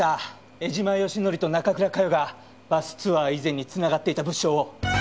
江島義紀と中倉佳世がバスツアー以前に繋がっていた物証を。